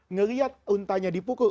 ngelihat untanya dipukul